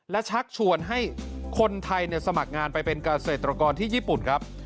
และชักชวนให้คนไทยสมัครงานไปเป็นเกษตรกรที่ญี่ปุ่นครับ